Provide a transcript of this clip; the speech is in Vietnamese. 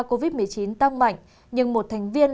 covid một mươi chín tăng mạnh nhưng một thành viên